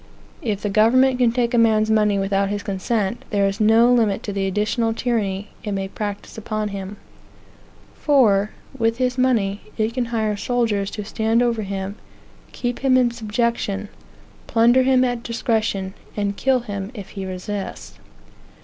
If the government can take a man's money without his consent, there is no limit to the additional tyranny it may practise upon him; for, with his money, it can hire soldiers to stand over him, keep him in subjection, plunder him at discretion, and kill him if he resists.